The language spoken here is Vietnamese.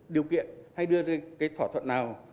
điều kiện hay đưa ra cái thỏa thuận nào